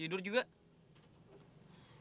ya kita bisa ke rumah